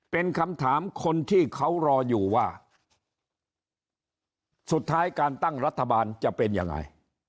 เป็นคำถามคนที่เขารออยู่ว่าสุดท้ายการตั้งรัฐบาลจะเป็นยังไง